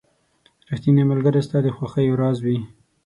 • ریښتینی ملګری ستا د خوښیو راز وي.